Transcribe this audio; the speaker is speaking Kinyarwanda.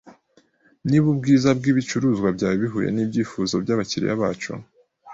Niba ubwiza bwibicuruzwa byawe buhuye nibyifuzo byabakiriya bacu,